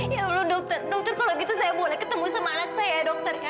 ya allah dokter dokter kalau gitu saya boleh ketemu sama anak saya ya dokter